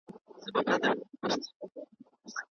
د ښوونځیو په نصاب کي کومي نښي بدلي سوي دي؟